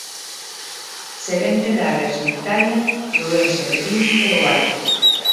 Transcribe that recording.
Xerente da área sanitaria de Ourense, Verín e O Barco.